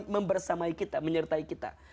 membersamai kita menyertai kita